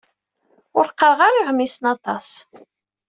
Ur qqareɣ ara iɣmisen aṭas.